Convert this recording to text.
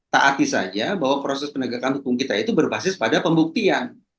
taati saja bahwa proses penegakan hukum kita itu berbasis pada pembuktian